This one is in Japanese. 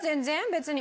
別に。